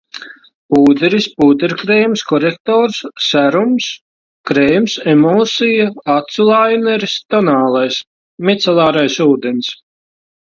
Pūderis, pūderkrēms, korektors, serums, krēms, emulsija, acu laineris, tonālais. Micelārais ūdens.